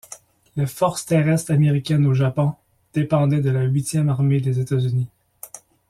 Les forces terrestres américaines au Japon dépendaient de la Huitième Armée des États-Unis.